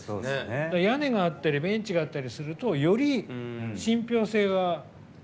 屋根があったりベンチがあったりするとより信ぴょう性が。